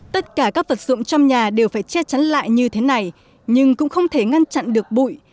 tất cả các vật dụng trong nhà đều phải che chắn lại như thế này nhưng cũng không thể ngăn chặn được bụi